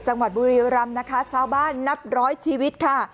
จังหวัดบุรีรัมณ์นะคะชาวบ้านนับร้อยชีวิตค่ะ